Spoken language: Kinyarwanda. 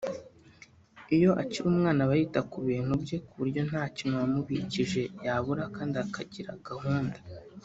Iyo akiri umwana aba yita ku bintu bye ku buryo nta kintu wamubikije yabura kandi akagira gahunda